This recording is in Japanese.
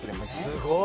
すごい！